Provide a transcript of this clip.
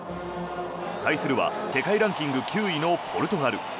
対するは世界ランキング９位のポルトガル。